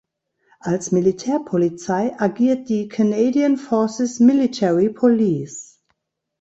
Als Militärpolizei agiert die "Canadian Forces Military Police".